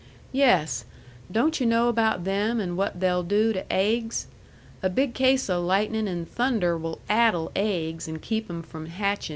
"Yes. Don't yu' know about them, and what they'll do to aiggs? A big case o' lightnin' and thunder will addle aiggs and keep 'em from hatchin'.